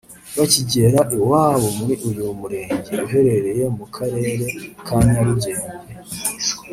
Bakigera iwabo muri uyu murenge uherereye mu Karere ka Nyarugenge